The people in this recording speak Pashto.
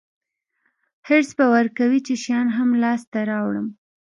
حرص به ورکوي چې شیان هم لاسته راوړم.